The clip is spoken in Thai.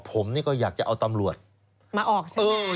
ผมนี่ก็อยากจะเอาตำรวจมาออกสิ